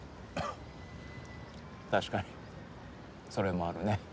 確かにそれもあるね。